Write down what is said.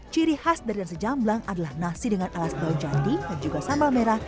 ciri khas dari rasa jamblang adalah nasi dengan alas daun jandi dan juga sambal merah